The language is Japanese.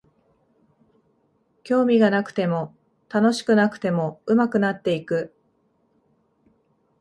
興味がなくても楽しくなくても上手くなっていく